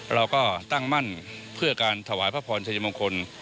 เราก็ตั้งมั่นเพื่อการถวายพระพรชัยมงคล